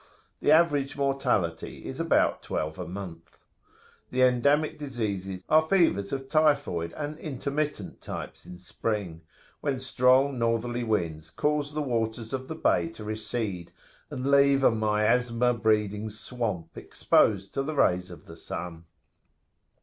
The average mortality is about twelve a month.[FN#33] The endemic diseases are fevers of typhoid and intermittent types in spring, when strong northerly winds cause the waters of the bay to recede,[FN#34] and leave a miasma breeding swamp exposed to the rays of the sun.